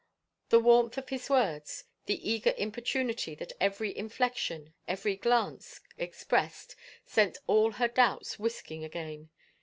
The warmth of his words, the eager importunity that every inflection, every glance expressed sent all her doubts whisking again.